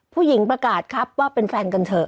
ประกาศครับว่าเป็นแฟนกันเถอะ